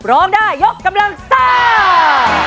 ร้องได้ยกกำลังซ่า